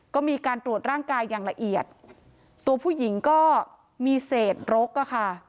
ก็มีการตรวจร่างกายอย่างละเอียดตัวผู้หญิงก็มีเศษรกอะค่ะ